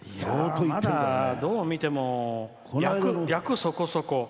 まだどう見ても厄そこそこ。